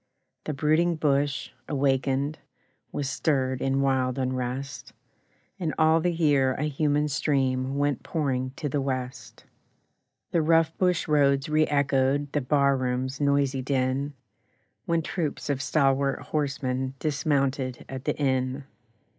The brooding bush, awakened, Was stirred in wild unrest, And all the year a human stream Went pouring to the West. The rough bush roads re echoed The bar room's noisy din, When troops of stalwart horsemen Dismounted at the inn.